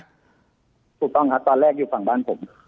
ถูกต้องครับตอนแรกอยู่ฝั่งบ้านผม